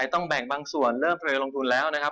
ต้องแบ่งบางส่วนเริ่มเทรลงทุนแล้วนะครับ